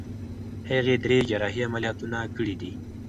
هغې درې جراحي عملیاتونه کړي دي.